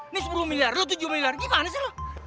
ini sepuluh miliar lo tujuh miliar gimana sih lo